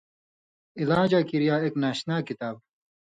علاجاں کریا ایک ناشنا کتاب